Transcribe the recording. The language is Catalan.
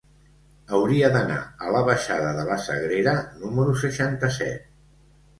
Hauria d'anar a la baixada de la Sagrera número seixanta-set.